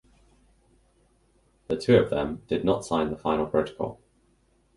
The two of them did not sign the final protocol.